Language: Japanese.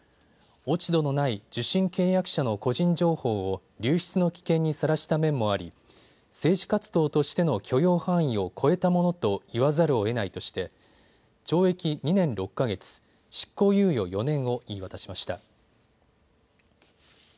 落ち度のない受信契約者の個人情報を流出の危険にさらした面もあり、政治活動としての許容範囲を超えたものと言わざるをえないとして懲役２年６か月、執行猶予４年を言い渡しました。